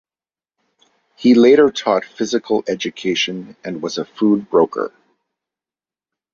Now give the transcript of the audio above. He later taught physical education and was a food broker.